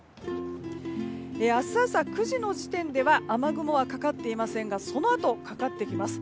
明日朝９時の時点では雨雲はかかっていませんがそのあとかかってきます。